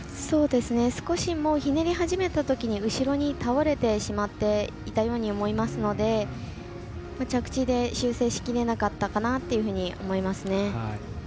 少し、ひねり始めたときに後ろに倒れてしまったように思いますので、着地で修正しきれなかったかなと思いますね。